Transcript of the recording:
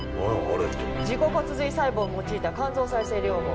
自己骨髄細胞を用いた肝臓再生療法。